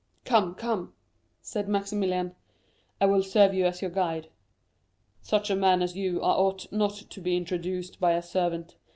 "Come, come," said Maximilian, "I will serve as your guide; such a man as you are ought not to be introduced by a servant.